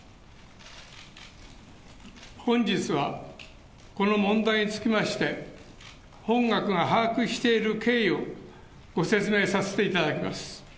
本日はこの問題につきまして、本学が把握している経緯をご説明させていただきます。